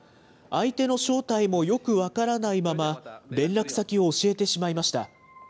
相手の正体もよく分からないまま、連絡先を教えてしまいました。